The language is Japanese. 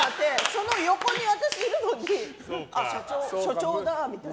その横に私いるのに署長だみたいな。